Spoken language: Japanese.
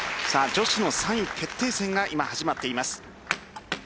女子の３位決定戦が今、始まっています。